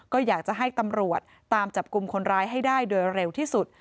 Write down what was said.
ก็อยากจะให้ตำรวจตามจับกลุ่มคนร้ายให้ได้โดยเร็วที่สุด